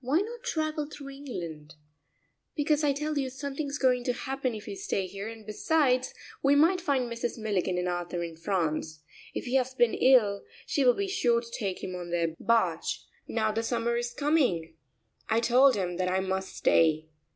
"Why not travel through England?" "Because I tell you something's going to happen if we stay here, and besides we might find Mrs. Milligan and Arthur in France. If he has been ill she will be sure to take him on their barge, now the summer is coming." I told him that I must stay.